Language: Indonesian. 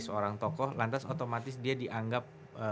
seorang tokoh lantas otomatis dia dianggap